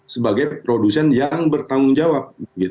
sebagai produsen yang bertanggung jawab